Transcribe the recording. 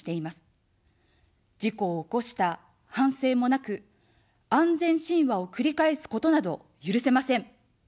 事故を起こした反省もなく、安全神話を繰り返すことなど許せません。